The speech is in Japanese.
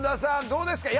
どうですか？